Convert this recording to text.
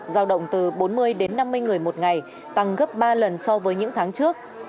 giao động từ bốn mươi đến năm mươi người một ngày tăng gấp ba lần so với những tháng trước